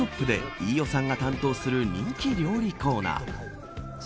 で飯尾さんが担当する人気料理コーナー。